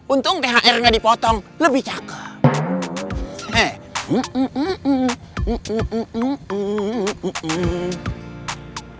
untung thr gak dipotong lebih cakep